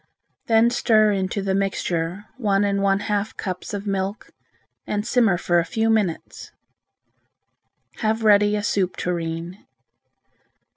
Then stir into the mixture one and a half cups of milk and simmer for a few minutes. Have ready a soup tureen.